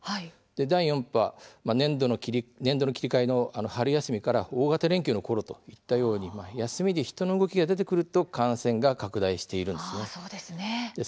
第４波は年度の切り替えの春休みから大型連休のころといったように休みで人の動きが出てくると感染が拡大しています。